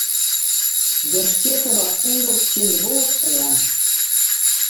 Der stjitte wat ûnder tsjin de boat oan.